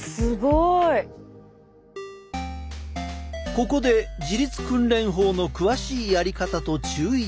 ここで自律訓練法の詳しいやり方と注意点。